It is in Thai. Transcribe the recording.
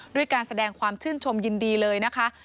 ด้วยการแสดงความชื่นชมยินดีเลยนะคะ